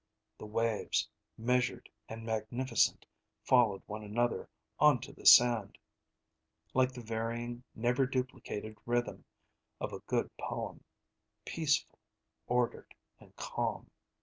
The waves, measured and magnificent, followed one another onto the sand, like the varying, never duplicated rhythm of a good poem, peaceful, ordered, and calm.